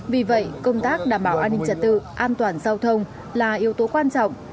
vì vậy công tác đảm bảo an ninh trật tự an toàn giao thông là yếu tố quan trọng